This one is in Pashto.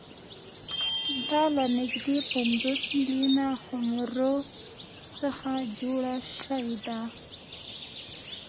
دا له نږدې پنځوس میلیونه خُمرو څخه جوړه شوې ده